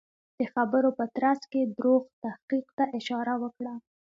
د خبرو په ترڅ کې دروغ تحقیق ته اشاره وکړه.